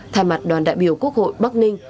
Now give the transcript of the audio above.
thay mặt đoàn đại biểu quốc hội bắc ninh